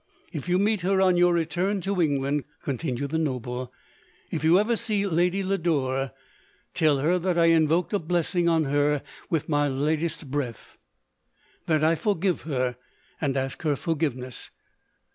" If you meet her on your return to England, 1 ' continued the noble; — "if you ever see Lady Lodore, tell her that I invoked a blessing on her with my latest breatli — that I forgive her, and ask her forgiveness.